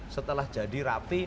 setelah jadi rapi